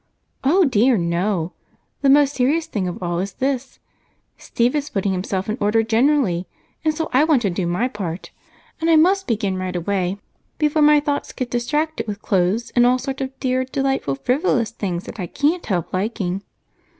"Oh, dear, no! The most serious thing of all is this. Steve is putting himself in order generally, and so I want to do my part, and I must begin right away before my thoughts get distracted with clothes and all sorts of dear, delightful, frivolous things that I can't help liking.